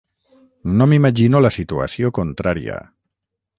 No m’imagino la situació contrària.